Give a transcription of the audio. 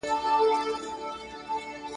په وسلو نه، بلکې په خپل اصل